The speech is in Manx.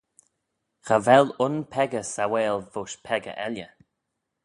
Cha vel un peccah sauail voish peccah elley.